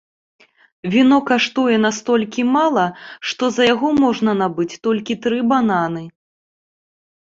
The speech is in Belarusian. Віно каштуе настолькі мала, што за яго можна набыць толькі тры бананы.